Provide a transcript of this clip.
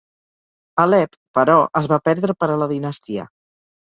Alep, però, es va perdre per a la dinastia.